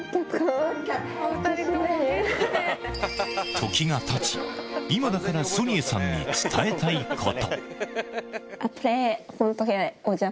時がたち、今だからソニエさんに伝えたいこと。